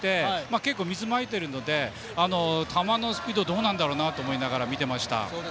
結構、水をまいているので球のスピードどうなんだろうなと思いながら見てました。